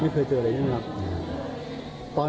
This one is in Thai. เคยเจออะไรอย่างนี้ครับ